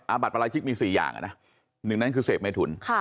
อาบัตรประราชิกมีสี่อย่างอ่ะนะหนึ่งนั้นคือเสพไม่ถุน